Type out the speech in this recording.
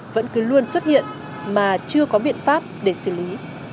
vẫn cứ luôn xuất hiện mà chưa có biện pháp để xử lý